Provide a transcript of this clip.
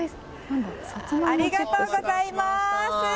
ありがとうございます。